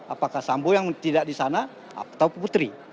apakah sambo yang tidak di sana atau putri